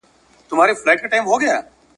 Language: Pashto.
عمرونه کیږي بلبل دي غواړي `